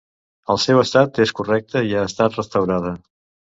El seu estat és correcte i ha estat restaurada.